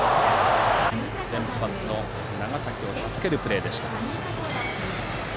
先発の長崎を助けるプレーでした。